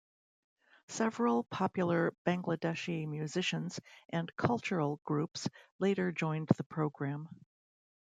Several popular Bangladeshi musicians and cultural groups later joined the program.